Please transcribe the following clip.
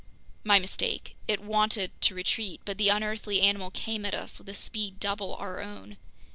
My mistake. It wanted to retreat, but the unearthly animal came at us with a speed double our own.